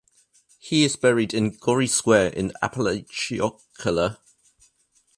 He is buried in Gorrie Square in Apalachicola.